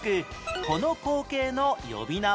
この光景の呼び名は？